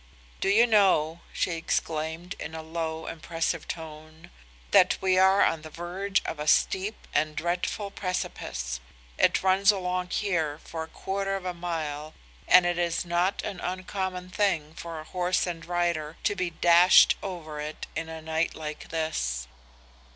"'Do you know,' she exclaimed in a low impressive tone, 'that we are on the verge of a steep and dreadful precipice? It runs along here for a quarter of a mile and it is not an uncommon thing for a horse and rider to be dashed over it in a night like this.